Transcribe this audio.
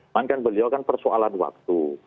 mainkan beliau kan persoalan waktu